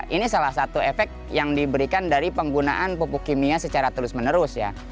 ini salah satu efek yang diberikan dari penggunaan pupuk kimia secara terus menerus ya